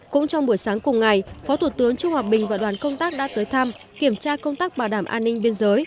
cũng trong buổi sáng cùng ngày phó thủ tướng trung hòa bình và đoàn công tác đã tới thăm kiểm tra công tác bảo đảm an ninh biên giới